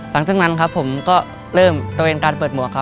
หลังจากนั้นผมก็เริ่มตระเวนการเปิดหมวก